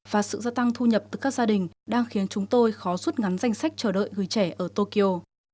và sự gia tăng thu nhập từ các gia đình đang khiến chúng tôi khó rút ngắn danh sách chờ đợi người trẻ ở tokyo